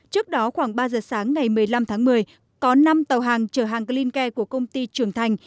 trước đó khoảng ba giờ sáng ngày một mươi năm tháng một mươi có năm tàu hàng chở hàng clinke của công ty trường thành